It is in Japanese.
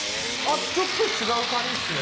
ちょっと違うカニっすね